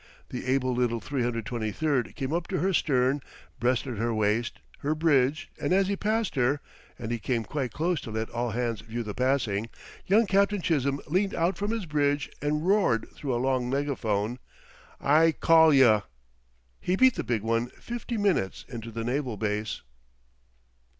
The able little 323 came up to her stern; breasted her waist, her bridge, and as he passed her (and he came quite close to let all hands view the passing), young Captain Chisholm leaned out from his bridge and roared through a long megaphone: "I call yuh!" He beat the big one fifty minutes into the naval base.